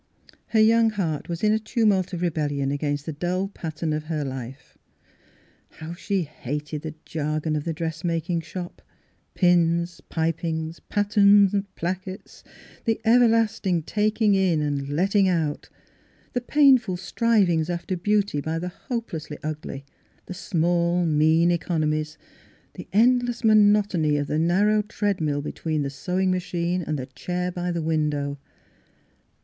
Her young heart was in a tumult of rebellion against the dull pat tern of her life, — how she hated the jar gon of the dress making shop: pins, pip ings, patterns, plackets ; the everlasting taking in and letting out. The painful strivings after beauty by the hopelessly ugly ; the small mean economies ; the end less monotony of the narrow treadmill be tween the sewing machine and the chair by the window.